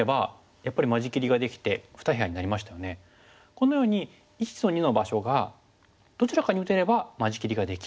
このように①と②の場所がどちらかに打てれば間仕切りができる。